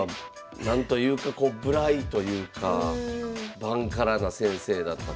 何というか無頼というか蛮カラな先生だったと。